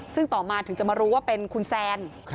ซึ่งต่อมาถึงจะมารู้ว่าเป็นคุณแซน